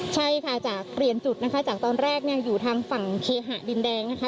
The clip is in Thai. ใช่ค่ะจากเปลี่ยนจุดนะคะจากตอนแรกเนี่ยอยู่ทางฝั่งเคหะดินแดงนะคะ